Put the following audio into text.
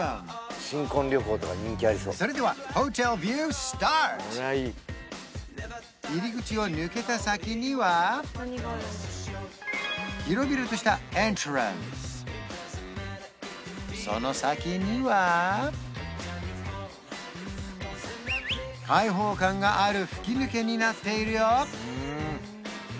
それでは入り口を抜けた先には広々としたエントランスその先には開放感がある吹き抜けになっているよ